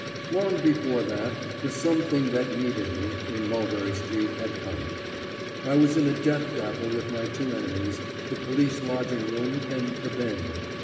Long before that the "something that needed me" in Mulberry Street had come. I was in a death grapple vith my two enemies, the police lodging room and the Bend.